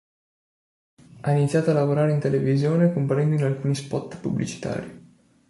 Ha iniziato a lavorare in televisione comparendo in alcuni spot pubblicitari.